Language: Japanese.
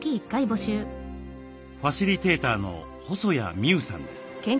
ファシリテーターの細谷美宇さんです。